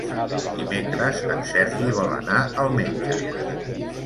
Dimecres en Sergi vol anar al metge.